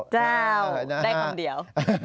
เจ้าได้คำเดียว